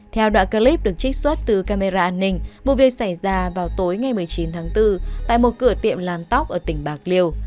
theo đoạn clip được trích xuất từ camera an ninh vụ việc xảy ra vào tối ngày một mươi chín tháng bốn tại một cửa tiệm làm tóc ở tỉnh bạc liêu